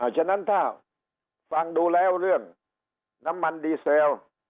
ฉะนั้นถ้าฟังดูแล้วเรื่องน้ำมันดีเซล